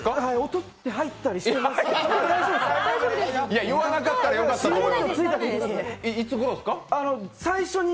いや、言わなかったらよかったのに。